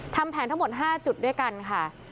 ทำแผนทั้งหมด๕จุดด้วยกันค่ะ